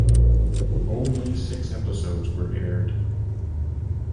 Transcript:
Only six episodes were aired.